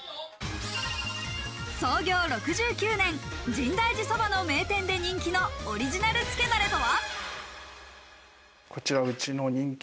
創業６９年、深大寺そばの名店で人気のオリジナルつけダレとは。